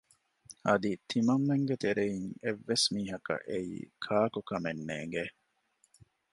އަދި ތިމަންމެންގެ ތެރެއިން އެއްވެސް މީހަކަށް އެއީ ކާކު ކަމެއް ނޭނގޭ